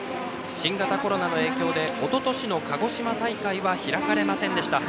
新型コロナの影響でおととしの鹿児島大会は開かれませんでした。